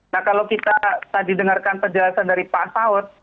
nah kalau kita tadi dengarkan penjelasan dari pak saud